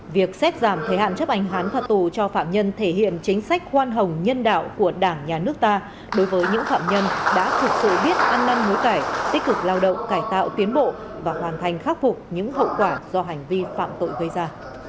việc xét giảm thời hạn chấp hành hán phạt tù cho phạm nhân thể hiện chính sách khoan hồng nhân đạo của đảng nhà nước ta đối với những phạm nhân đã thực sự biết ăn năn hối cải tích cực lao động cải tạo tiến bộ và hoàn thành khắc phục những hậu quả do hành vi phạm tội gây ra